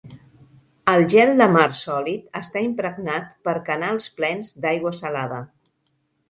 El gel de mar sòlid està impregnat per canals plens d'aigua salada.